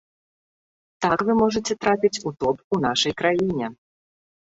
Так вы можаце трапіць у топ у нашай краіне.